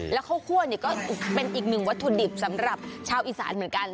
แล้วข้าวคั่วก็เป็นอีกหนึ่งวัตถุดิบสำหรับชาวอีสานเหมือนกัน